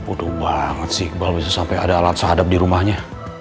buduh banget sih iqbal bisa sampai ada alat sehadap di rumahnya